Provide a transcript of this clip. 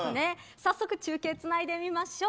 早速、中継つないでみましょう。